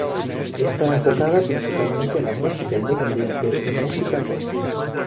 Está enfocada principalmente a la música independiente y música rock.